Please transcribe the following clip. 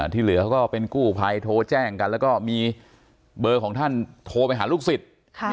ที่เหลือเขาก็เป็นกู้ภัยโทรแจ้งกันแล้วก็มีเบอร์ของท่านโทรไปหาลูกศิษย์